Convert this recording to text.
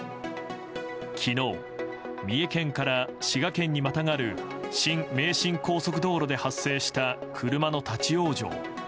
昨日、三重県から滋賀県にまたがる新名神高速道路で発生した車の立ち往生。